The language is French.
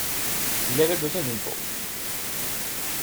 Il avait besoin d’une pause.